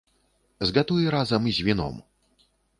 Згатуй разам з віном.